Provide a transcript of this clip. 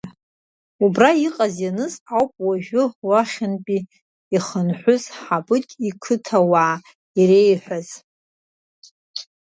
Убра иҟаз-ианыз ауп уажәы уахьынтәи ихынҳәыз Ҳабыџь иқыҭауаа иреиҳәоз.